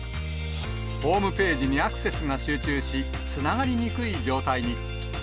ホームページにアクセスが集中し、つながりにくい状態に。